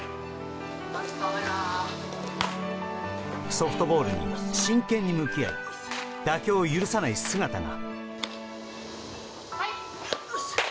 ソフトボールに真剣に向き合い妥協を許さない姿が。